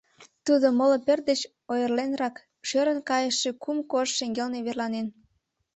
Тудо, моло пӧрт деч ойырленрак, шӧрын кайыше кум кож шеҥгелне верланен.